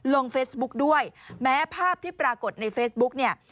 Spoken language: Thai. ลงเฟซบุ๊กด้วยแม้ภาพที่ปรากฏในเฟซบุ๊กเนี่ย